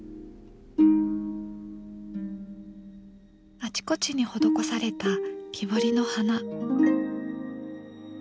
あちこちに施された木彫りの花。